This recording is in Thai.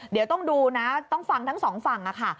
เดี๋ยวต้องดูนะต้องฟังทั้งสองฝั่งค่ะ